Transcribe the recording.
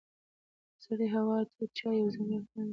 د سړې هوا تود چای یو ځانګړی خوند لري.